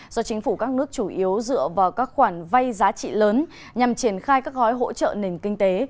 do chính phủ các nước chủ yếu dựa vào các khoản vay giá trị lớn nhằm triển khai các gói hỗ trợ nền kinh tế